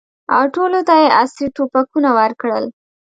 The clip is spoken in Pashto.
او ټولو ته یې عصري توپکونه ورکړل.